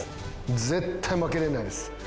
絶対負けれないです。